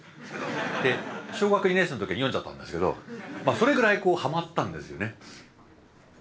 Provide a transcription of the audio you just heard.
小学２年生の時に読んじゃったんですけどそれぐらいはまったんですよね。